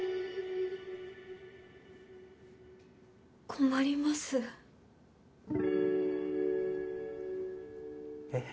困りますえっ？